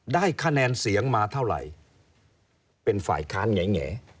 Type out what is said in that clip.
ได้คะแนนเสียงมาเท่าไหร่เป็นฝ่ายค้านแง่